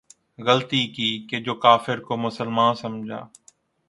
غلطی کی کہ جو کافر کو مسلماں سمجھا